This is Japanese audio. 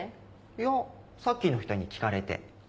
いやさっきの人に聞かれて。